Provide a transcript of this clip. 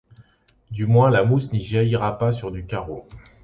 Du moins, la mousse n’y jaillira pas sur du carreau !